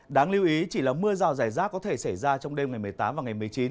đáng lưu ý chỉ là mưa rào rải rác có thể xảy ra trong đêm ngày một mươi tám và ngày một mươi chín